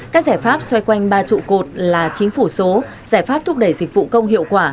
các giải pháp xoay quanh ba trụ cột là chính phủ số giải pháp thúc đẩy dịch vụ công hiệu quả